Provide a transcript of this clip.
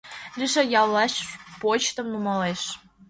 Лишыл яллаш почтым нумалеш.